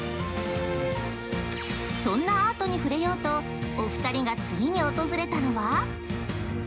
そんなアートに触れようとお二人が次に訪れたのは◆